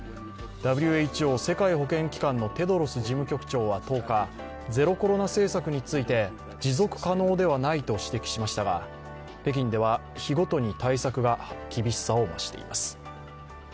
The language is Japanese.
ＷＨＯ＝世界保健機関のテドロス事務局長は１０日、ゼロコロナ政策について、持続可能ではないと指摘しましたが北京では日ごとに対策が厳しさを増しています。